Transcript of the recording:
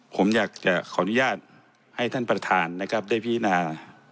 ผมอยากจะขออนุญาตให้ท่านประธานนะครับได้พินา